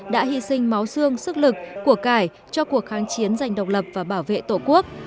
đã hy sinh máu xương sức lực của cải cho cuộc kháng chiến giành độc lập và bảo vệ tổ quốc